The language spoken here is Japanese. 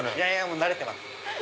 もう慣れてます。